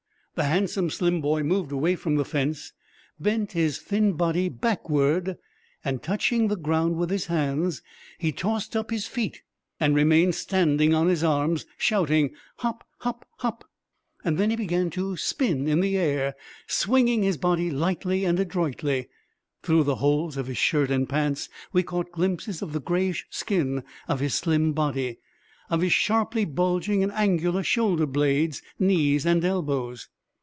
The handsome, slim boy moved away from the fence, bent his thin body backward, and touching the ground with his hands, he tossed up his feet and remained standing on his arms, shouting: "Hop! Hop! Hop!" Then he began to spin in the air, swinging his body lightly and adroitly. Through the holes of his shirt and pants we caught glimpses of the greyish skin of his slim body, of his sharply bulging and angular shoulder blades, knees and elbows.